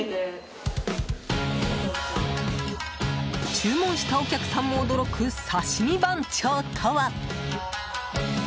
注文したお客さんも驚く刺身番長とは。